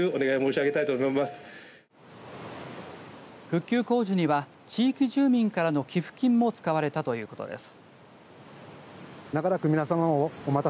復旧工事には地域住民からの寄付金も使われたということです。